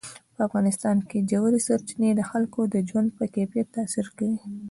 په افغانستان کې ژورې سرچینې د خلکو د ژوند په کیفیت تاثیر کوي.